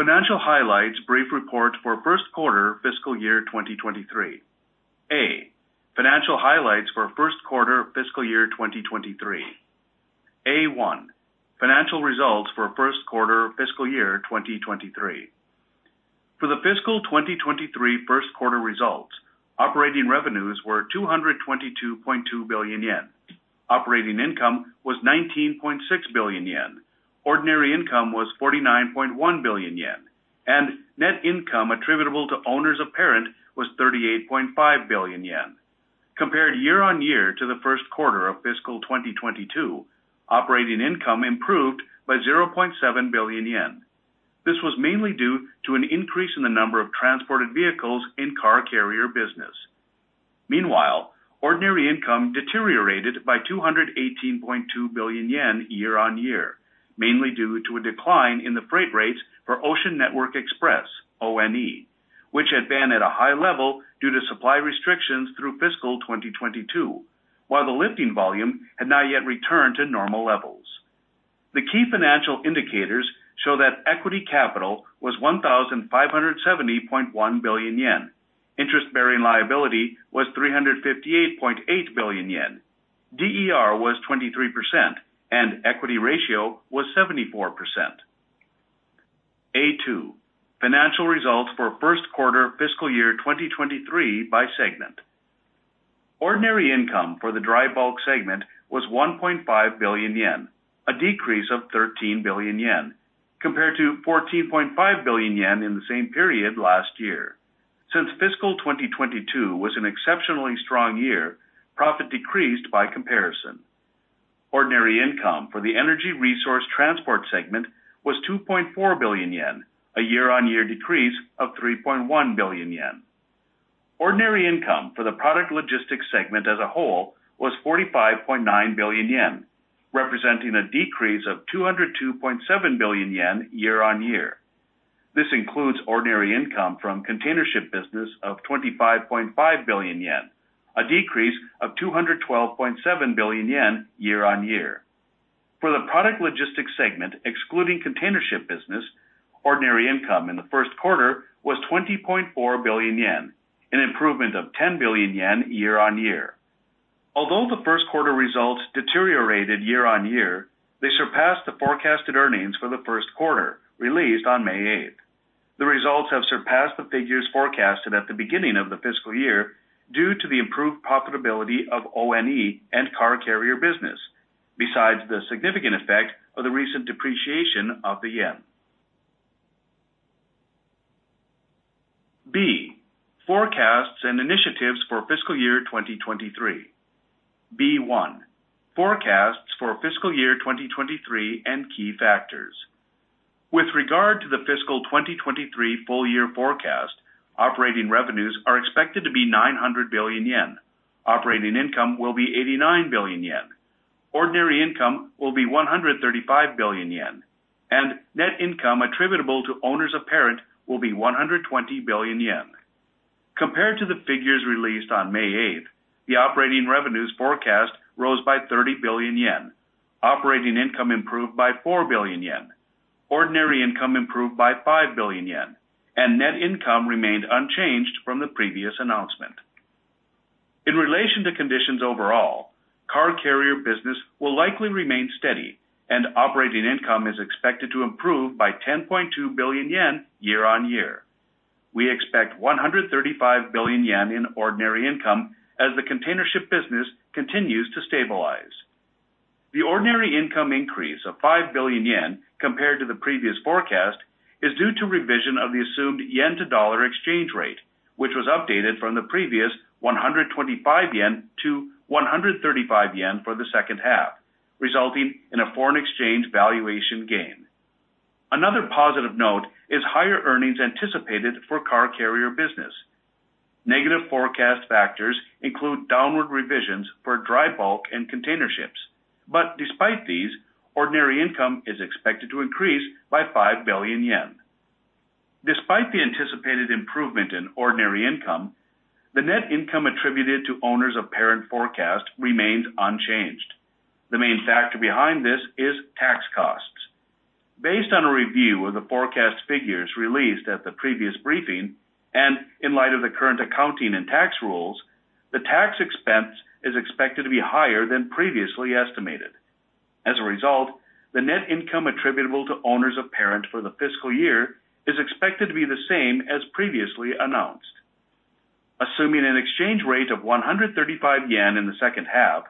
Financial highlights, brief report for first quarter, fiscal year 2023. A, financial highlights for first quarter fiscal year 2023. A1, financial results for first quarter fiscal year 2023. For the fiscal 2023 first quarter results, operating revenues were 222.2 billion yen. Operating income was 19.6 billion yen. Ordinary income was 49.1 billion yen, and net income attributable to owners of parent was 38.5 billion yen. Compared year-over-year to the first quarter of fiscal 2022, operating income improved by 0.7 billion yen. This was mainly due to an increase in the number of transported vehicles in car carrier business. Meanwhile, ordinary income deteriorated by 218.2 billion yen year on year, mainly due to a decline in the freight rates for Ocean Network Express, ONE, which had been at a high level due to supply restrictions through fiscal 2022, while the lifting volume had not yet returned to normal levels. The key financial indicators show that equity capital was 1,570.1 billion yen. Interest-bearing liability was 358.8 billion yen. DER was 23%, and equity ratio was 74%. A two, financial results for first quarter fiscal year 2023 by segment. Ordinary income for the dry bulk segment was 1.5 billion yen, a decrease of 13 billion yen, compared to 14.5 billion yen in the same period last year. Since fiscal 2022 was an exceptionally strong year, profit decreased by comparison. Ordinary income for the energy resource transport segment was 2.4 billion yen, a year-on-year decrease of 3.1 billion yen. Ordinary income for the product logistics segment as a whole was 45.9 billion yen, representing a decrease of 202.7 billion yen year-on-year. This includes ordinary income from container ship business of 25.5 billion yen, a decrease of 212.7 billion yen year-on-year. For the product logistics segment, excluding container ship business, ordinary income in the first quarter was 20.4 billion yen, an improvement of 10 billion yen year-on-year. Although the first quarter results deteriorated year-on-year, they surpassed the forecasted earnings for the first quarter, released on May 8. The results have surpassed the figures forecasted at the beginning of the fiscal year due to the improved profitability of ONE and car carrier business, besides the significant effect of the recent depreciation of the yen. B, forecasts and initiatives for fiscal year 2023. B one, forecasts for fiscal year 2023 and key factors. With regard to the fiscal 2023 full year forecast, operating revenues are expected to be 900 billion yen. Operating income will be 89 billion yen. Ordinary income will be 135 billion yen, and net income attributable to owners of parent will be 120 billion yen. Compared to the figures released on May 8, the operating revenues forecast rose by 30 billion yen. Operating income improved by 4 billion yen. Ordinary income improved by 5 billion yen, and net income remained unchanged from the previous announcement. In relation to conditions overall, car carrier business will likely remain steady, and operating income is expected to improve by 10.2 billion yen year-over-year. We expect 135 billion yen in ordinary income as the container ship business continues to stabilize. The ordinary income increase of 5 billion yen compared to the previous forecast, is due to revision of the assumed yen to dollar exchange rate, which was updated from the previous 125 yen to 135 yen for the second half, resulting in a foreign exchange valuation gain. Another positive note is higher earnings anticipated for car carrier business. Negative forecast factors include downward revisions for dry bulk and container ships, but despite these, ordinary income is expected to increase by 5 billion yen. Despite the anticipated improvement in ordinary income, the net income attributed to owners of parent forecast remains unchanged. The main factor behind this is tax costs. Based on a review of the forecast figures released at the previous briefing, and in light of the current accounting and tax rules, the tax expense is expected to be higher than previously estimated. As a result, the net income attributable to owners of parent for the fiscal year is expected to be the same as previously announced. Assuming an exchange rate of 135 yen in the second half,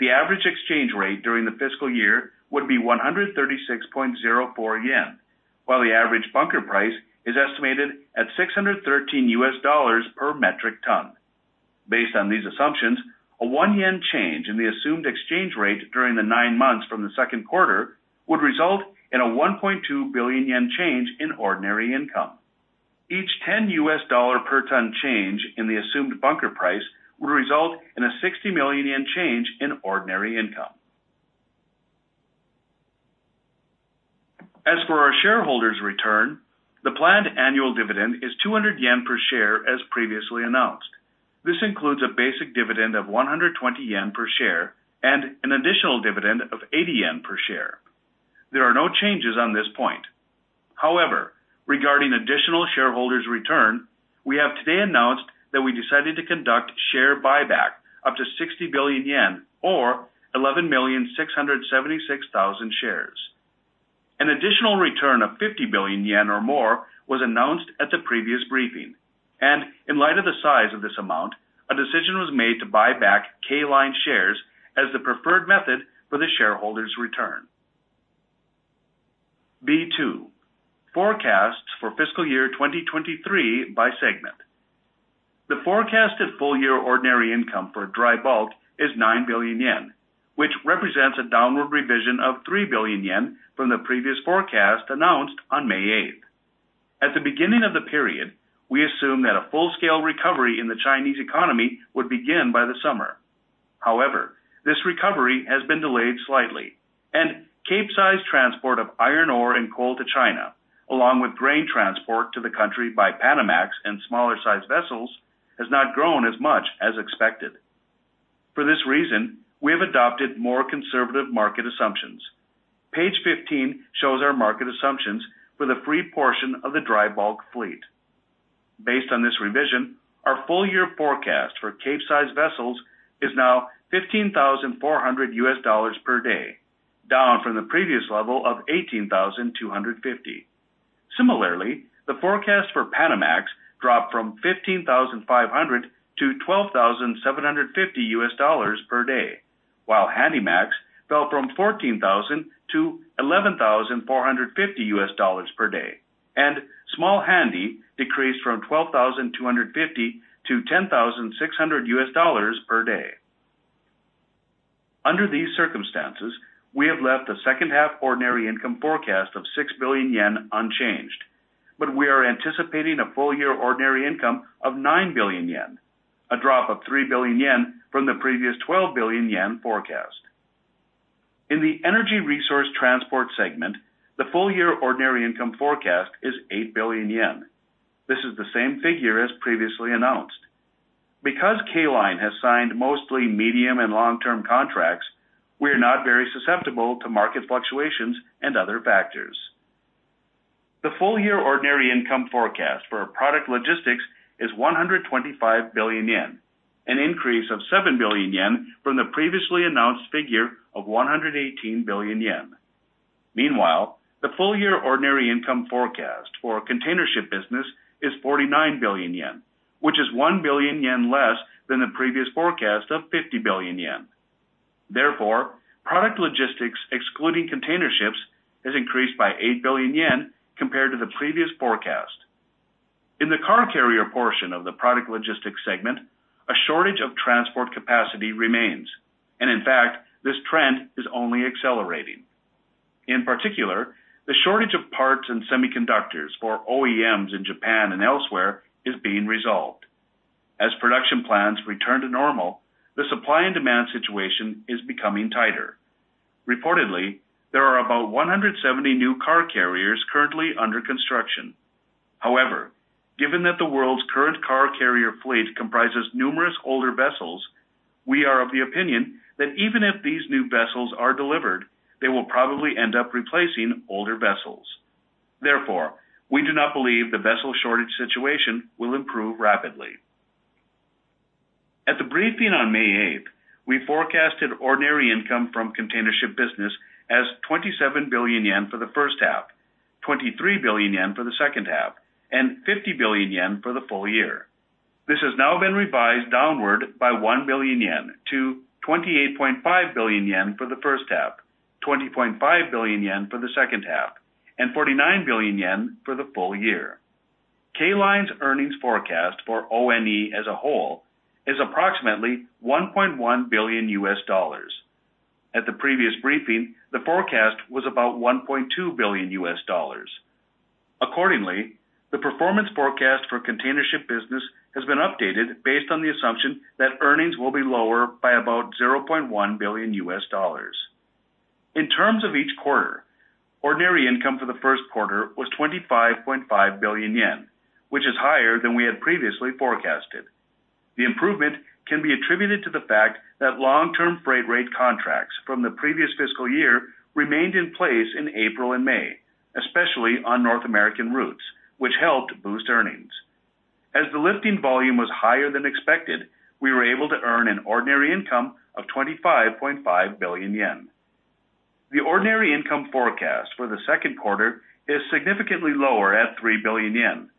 the average exchange rate during the fiscal year would be 136.04 yen, while the average bunker price is estimated at $613 per metric ton. Based on these assumptions, a 1 yen change in the assumed exchange rate during the nine months from the second quarter, would result in a 1.2 billion yen change in ordinary income. Each $10 per ton change in the assumed bunker price, would result in a 60 million yen change in ordinary income. As for our shareholders return, the planned annual dividend is 200 yen per share, as previously announced. This includes a basic dividend of 120 yen per share and an additional dividend of 80 yen per share. There are no changes on this point. However, regarding additional shareholders return, we have today announced that we decided to conduct share buyback up to 60 billion yen or 11,676,000 shares. An additional return of 50 billion yen or more was announced at the previous briefing, and in light of the size of this amount, a decision was made to buy back K Line shares as the preferred method for the shareholders return. B-2, forecasts for fiscal year 2023 by segment. The forecasted full year ordinary income for dry bulk is 9 billion yen, which represents a downward revision of 3 billion yen from the previous forecast announced on May 8th. At the beginning of the period, we assumed that a full-scale recovery in the Chinese economy would begin by the summer. However, this recovery has been delayed slightly, and Capesize transport of iron ore and coal to China, along with grain transport to the country by Panamax and smaller size vessels, has not grown as much as expected. For this reason, we have adopted more conservative market assumptions. Page 15 shows our market assumptions for the free portion of the dry bulk fleet. Based on this revision, our full year forecast for Capesize vessels is now $15,400 per day, down from the previous level of $18,250. Similarly, the forecast for Panamax dropped from $15,500-$12,750 per day, while Handymax fell from $14,000-$11,450 per day, and Small Handy decreased from $12,250-$10,600 per day. Under these circumstances, we have left the second half ordinary income forecast of 6 billion yen unchanged, but we are anticipating a full year ordinary income of 9 billion yen, a drop of 3 billion yen from the previous 12 billion yen forecast. In the energy resource transport segment, the full year ordinary income forecast is 8 billion yen. This is the same figure as previously announced. Because K Line has signed mostly medium and long-term contracts, we are not very susceptible to market fluctuations and other factors. The full year ordinary income forecast for our product logistics is 125 billion yen, an increase of 7 billion yen from the previously announced figure of 118 billion yen. Meanwhile, the full year ordinary income forecast for our container ship business is 49 billion yen, which is 1 billion yen less than the previous forecast of 50 billion yen. Therefore, product logistics, excluding container ships, has increased by 8 billion yen compared to the previous forecast. In the car carrier portion of the product logistics segment, a shortage of transport capacity remains, and in fact, this trend is only accelerating. In particular, the shortage of parts and semiconductors for OEMs in Japan and elsewhere is being resolved. As production plans return to normal, the supply and demand situation is becoming tighter. Reportedly, there are about 170 new car carriers currently under construction. However, given that the world's current car carrier fleet comprises numerous older vessels, we are of the opinion that even if these new vessels are delivered, they will probably end up replacing older vessels. Therefore, we do not believe the vessel shortage situation will improve rapidly. At the briefing on May 8, we forecasted ordinary income from container ship business as 27 billion yen for the first half, 23 billion yen for the second half, and 50 billion yen for the full year. This has now been revised downward by 1 billion yen to 28.5 billion yen for the first half, 20.5 billion yen for the second half, and 49 billion yen for the full year. K Line's earnings forecast for ONE as a whole is approximately $1.1 billion. At the previous briefing, the forecast was about $1.2 billion. The performance forecast for container ship business has been updated based on the assumption that earnings will be lower by about $0.1 billion. In terms of each quarter, ordinary income for the first quarter was 25.5 billion yen, which is higher than we had previously forecasted. The improvement can be attributed to the fact that long-term freight rate contracts from the previous fiscal year remained in place in April and May, especially on North American routes, which helped boost earnings. As the lifting volume was higher than expected, we were able to earn an ordinary income of 25.5 billion yen. The ordinary income forecast for the second quarter is significantly lower at 3 billion yen,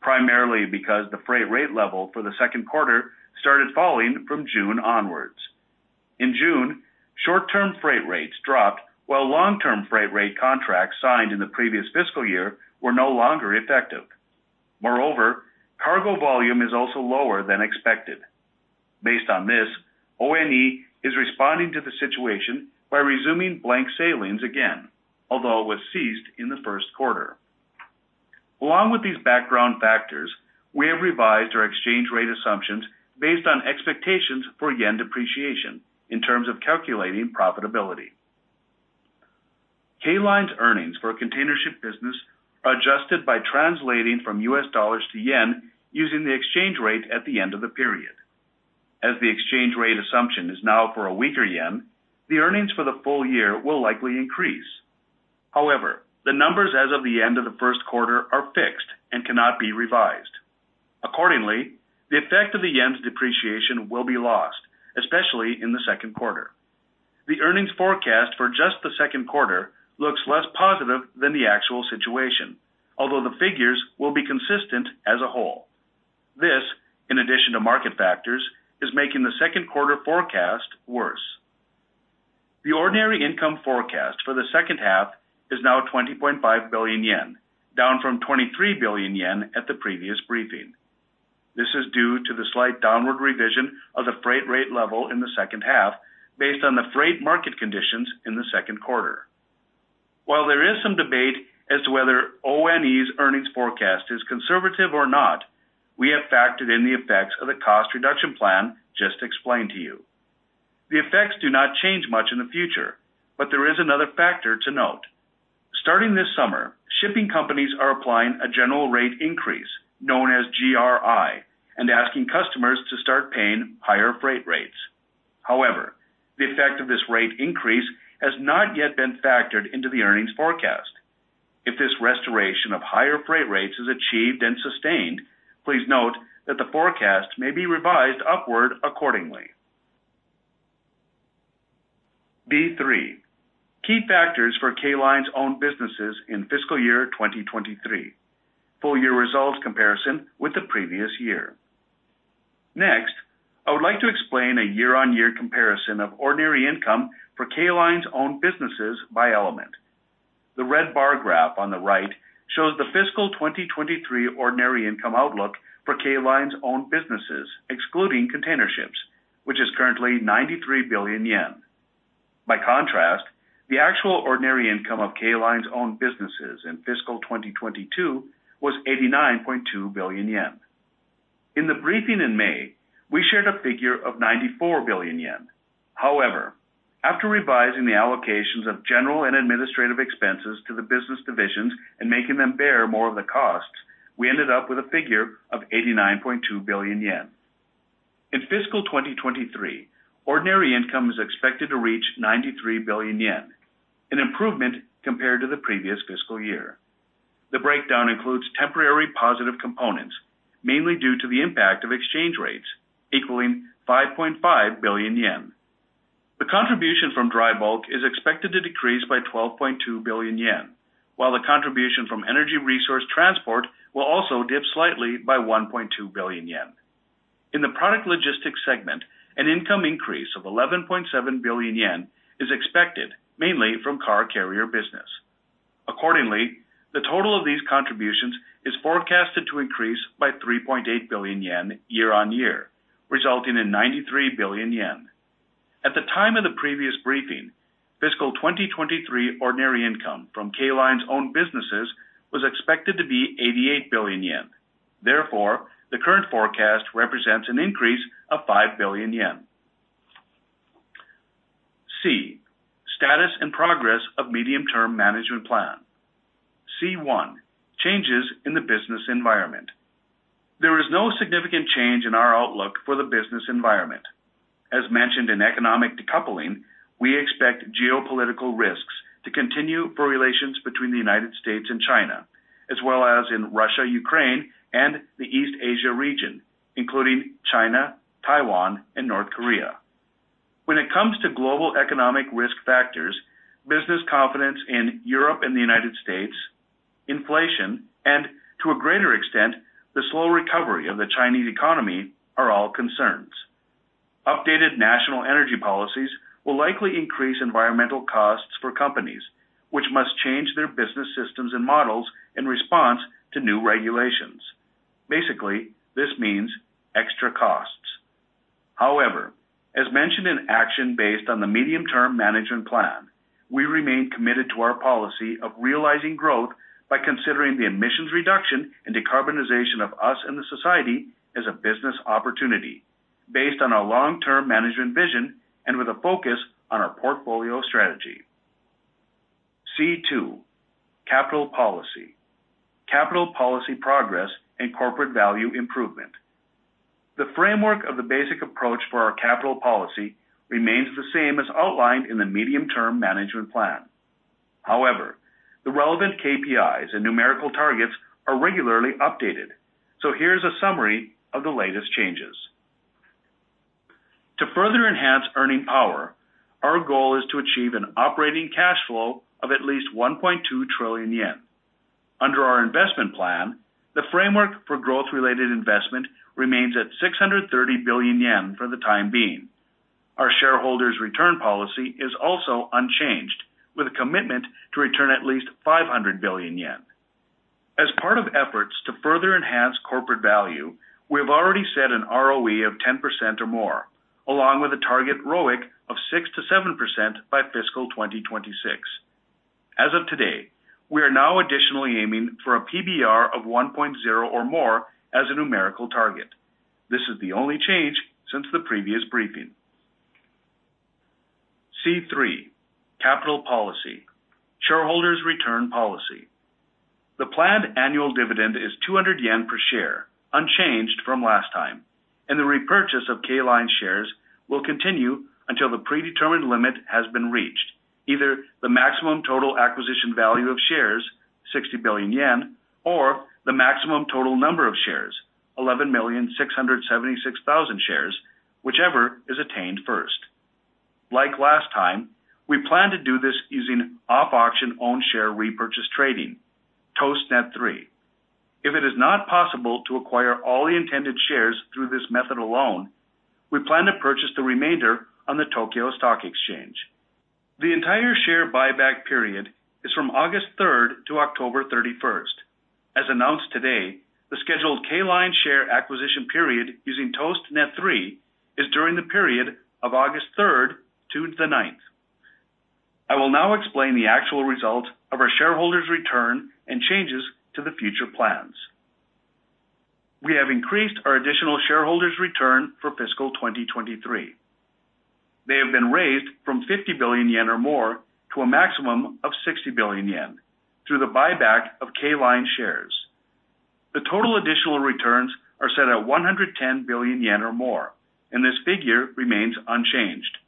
primarily because the freight rate level for the second quarter started falling from June onwards. In June, short-term freight rates dropped, while long-term freight rate contracts signed in the previous fiscal year were no longer effective. Moreover, cargo volume is also lower than expected. Based on this, ONE is responding to the situation by resuming blank sailings again, although it was ceased in the first quarter. Along with these background factors, we have revised our exchange rate assumptions based on expectations for yen depreciation in terms of calculating profitability. Line's earnings for a container ship business are adjusted by translating from U.S. dollars to yen, using the exchange rate at the end of the period. As the exchange rate assumption is now for a weaker yen, the earnings for the full year will likely increase. However, the numbers as of the end of the first quarter are fixed and cannot be revised. Accordingly, the effect of the yen's depreciation will be lost, especially in the second quarter. The earnings forecast for just the second quarter looks less positive than the actual situation, although the figures will be consistent as a whole. This, in addition to market factors, is making the second quarter forecast worse. The ordinary income forecast for the second half is now 20.5 billion yen, down from 23 billion yen at the previous briefing. This is due to the slight downward revision of the freight rate level in the second half, based on the freight market conditions in the second quarter. While there is some debate as to whether ONE's earnings forecast is conservative or not, we have factored in the effects of the cost reduction plan just explained to you. The effects do not change much in the future. There is another factor to note. Starting this summer, shipping companies are applying a general rate increase, known as GRI, and asking customers to start paying higher freight rates. The effect of this rate increase has not yet been factored into the earnings forecast. If this restoration of higher freight rates is achieved and sustained, please note that the forecast may be revised upward accordingly. B3. Key factors for Line's own businesses in fiscal year 2023. Full year results comparison with the previous year. Next, I would like to explain a year-on-year comparison of ordinary income for Line's own businesses by element. The red bar graph on the right shows the fiscal 2023 ordinary income outlook for Line's own businesses, excluding container ships, which is currently 93 billion yen. By contrast, the actual ordinary income of Line's own businesses in fiscal 2022 was 89.2 billion yen. In the briefing in May, we shared a figure of 94 billion yen. However, after revising the allocations of general and administrative expenses to the business divisions and making them bear more of the costs, we ended up with a figure of 89.2 billion yen. In fiscal 2023, ordinary income is expected to reach 93 billion yen, an improvement compared to the previous fiscal year. The breakdown includes temporary positive components, mainly due to the impact of exchange rates, equaling 5.5 billion yen. The contribution from dry bulk is expected to decrease by 12.2 billion yen, while the contribution from energy resource transport will also dip slightly by 1.2 billion yen. In the product logistics segment, an income increase of 11.7 billion yen is expected, mainly from car carrier business. Accordingly, the total of these contributions is forecasted to increase by 3.8 billion yen year on year, resulting in 93 billion yen. At the time of the previous briefing, fiscal 2023 ordinary income from Line's own businesses was expected to be 88 billion yen. Therefore, the current forecast represents an increase of 5 billion yen. C, status and progress of medium-term management plan. C1, changes in the business environment. There is no significant change in our outlook for the business environment. As mentioned in economic decoupling, we expect geopolitical risks to continue for relations between the United States and China, as well as in Russia, Ukraine, and the East Asia region, including China, Taiwan, and North Korea. When it comes to global economic risk factors, business confidence in Europe and the United States, inflation, and to a greater extent, the slow recovery of the Chinese economy, are all concerns. Updated national energy policies will likely increase environmental costs for companies, which must change their business systems and models in response to new regulations. Basically, this means extra costs. However, as mentioned in action based on the medium-term management plan, we remain committed to our policy of realizing growth by considering the emissions reduction and decarbonization of us and the society as a business opportunity, based on our long-term management vision and with a focus on our portfolio strategy. C2, capital policy. Capital policy progress and corporate value improvement. The framework of the basic approach for our capital policy remains the same as outlined in the medium-term management plan. The relevant KPIs and numerical targets are regularly updated, so here's a summary of the latest changes. To further enhance earning power, our goal is to achieve an operating cash flow of at least 1.2 trillion yen. Under our investment plan, the framework for growth-related investment remains at 630 billion yen for the time being. Our shareholders' return policy is also unchanged, with a commitment to return at least 500 billion yen. As part of efforts to further enhance corporate value, we have already set an ROE of 10% or more, along with a target ROIC of 6%-7% by fiscal 2026. As of today, we are now additionally aiming for a PBR of 1.0 or more as a numerical target. This is the only change since the previous briefing. C3, capital policy, shareholders' return policy. The planned annual dividend is 200 yen per share, unchanged from last time, and the repurchase of K Line shares will continue until the predetermined limit has been reached, either the maximum total acquisition value of shares, 60 billion yen, or the maximum total number of shares, 11,676,000 shares, whichever is attained first. Like last time, we plan to do this using off-auction own share repurchase trading, ToSTNeT-3. If it is not possible to acquire all the intended shares through this method alone, we plan to purchase the remainder on the Tokyo Stock Exchange. The entire share buyback period is from August 3rd to October 31st. As announced today, the scheduled K Line share acquisition period using ToSTNeT-3 is during the period of August 3rd to the 9th. I will now explain the actual result of our shareholders' return and changes to the future plans. We have increased our additional shareholders' return for fiscal 2023. They have been raised from 50 billion yen or more to a maximum of 60 billion yen through the buyback of K Line shares. The total additional returns are set at 110 billion yen or more, and this figure remains unchanged.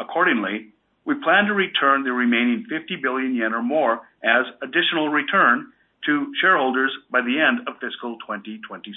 Accordingly, we plan to return the remaining 50 billion yen or more as additional return to shareholders by the end of fiscal 2026.